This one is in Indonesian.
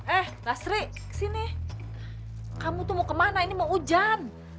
eh nasri kesini kamu tuh mau kemana ini mau hujan